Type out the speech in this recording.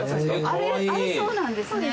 あれそうなんですね。